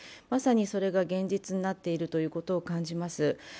まさにそれが現実になっているということを感じます。